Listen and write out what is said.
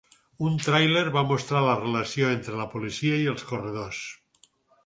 Un tràiler va mostrar la relació entre la policia i els corredors.